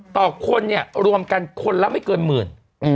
ต่อคนเนี่ยรวมกันคนละไม่เกินหมื่น